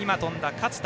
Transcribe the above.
勝田